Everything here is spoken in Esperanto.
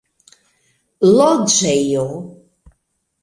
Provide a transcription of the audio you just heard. loĝejo